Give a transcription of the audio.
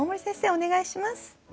お願いします。